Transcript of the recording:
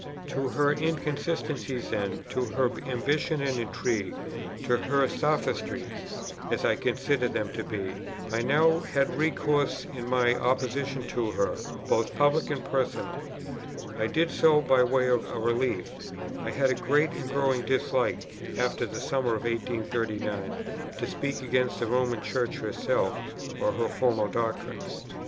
To her inconsistencies then, to her ambition and intrigue, to her sophistries (as I considered them to be) I now had recourse in my opposition to her, both public and personal. I did so by way of a relief. I had a great and growing dislike, after the summer of 1839, to speak against the Roman Church herself or her formal doctrines.